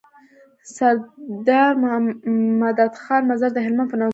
دسردار مدد خان مزار د هلمند په نوزاد کی دی